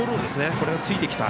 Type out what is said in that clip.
これがついてきた。